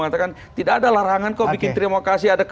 mengatakan tidak ada larangan kok bikin terima kasih